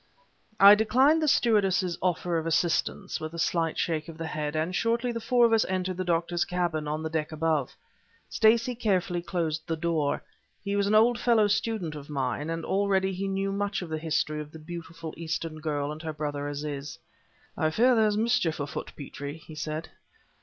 I declined the stewardess' offer of assistance, with a slight shake of the head, and shortly the four of us entered the doctor's cabin, on the deck above. Stacey carefully closed the door. He was an old fellow student of mine, and already he knew much of the history of the beautiful Eastern girl and her brother Aziz. "I fear there's mischief afoot, Petrie," he said.